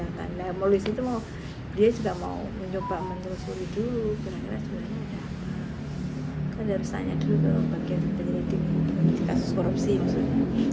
karena rasanya udah kan udah harus tanya dulu kalau bagian peneliti kasus korupsi itu